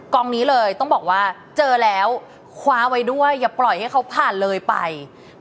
กองนี้เลยต้องบอกว่าเจอแล้วคว้าไว้ด้วยอย่าปล่อยให้เขาผ่านเลยไป